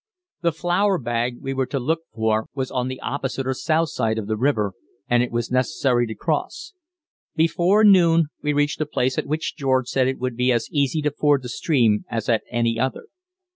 The flour bag we were to look for was on the opposite or south side of the river, and it was necessary to cross. Before noon we reached a place at which George said it would be as easy to ford the stream as at any other.